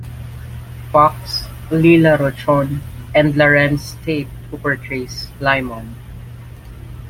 Fox, Lela Rochon, and Larenz Tate, who portrays Lymon.